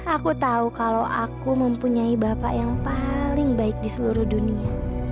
aku tahu kalau aku mempunyai bapak yang paling baik di seluruh dunia